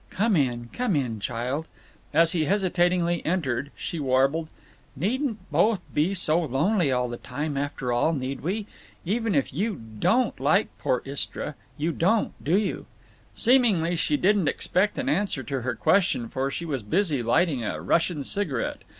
"Come in, come in, child." As he hesitatingly entered she warbled: "Needn't both be so lonely all the time, after all, need we? Even if you don't like poor Istra. You don't—do you?" Seemingly she didn't expect an answer to her question, for she was busy lighting a Russian cigarette.